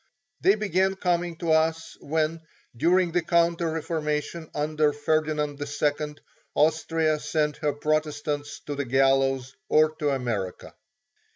They began coming to us when, during the counter reformation under Ferdinand II, Austria sent her Protestants to the gallows or to America.